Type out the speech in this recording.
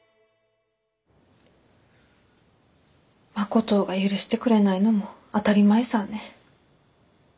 誠が許してくれないのも当たり前さぁね。